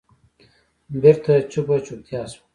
بېرته چوپه چوپتیا شوه.